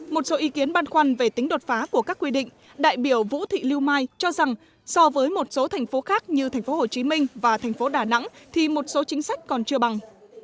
một số ý kiến băn khoăn về tính đột phá của các quy định đại biểu vũ thị lưu mai cho rằng so với một số thành phố khác như thành phố hồ chí minh và thành phố đà nẵng thì một số chính sách còn chưa bằng